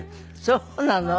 そうなの？